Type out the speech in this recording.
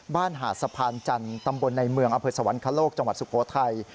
หาดสะพานจันทร์ตำบลในเมืองอำเภอสวรรคโลกจังหวัดสุโขทัย